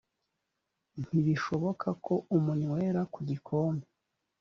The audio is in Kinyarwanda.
ntibishoboka ko munywera ku gikombe